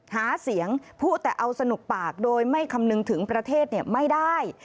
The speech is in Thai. หาเสียงพูดแต่เอาสนุกปากโดยไม่คำนึงถึงประเทศไม่ได้